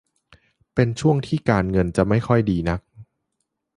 เป็นช่วงที่การเงินจะไม่ค่อยดีนัก